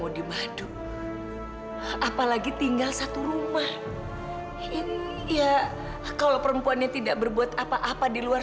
udah di bapak aja memperkuat keadaan deh pak